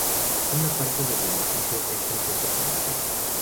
Una parte del edificio es un centro comercial.